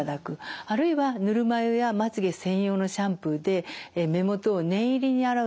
あるいはぬるま湯やまつげ専用のシャンプーで目元を念入り洗うと。